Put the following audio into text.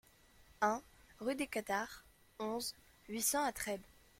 un rue des Cathares, onze, huit cents à Trèbes